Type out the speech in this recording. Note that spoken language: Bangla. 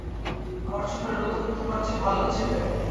আমার চোখের রোগ ও কি তোমার চেয়ে ভালো বুঝিবে।